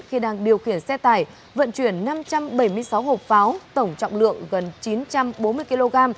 khi đang điều khiển xe tải vận chuyển năm trăm bảy mươi sáu hộp pháo tổng trọng lượng gần chín trăm bốn mươi kg